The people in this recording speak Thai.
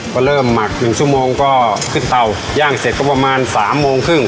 พอเริ่มหมักหนึ่งชั่วโมงก็ขึ้นเตาย่างเสร็จก็ประมาณสามโมงครึ่ง